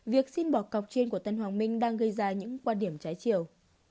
việc xin bỏ cọc trên của tân hoàng minh đang gây ra những quan điểm trái chiều